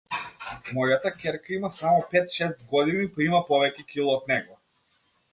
Мојата ќерка има само пет-шест години, па има повеќе кила од него.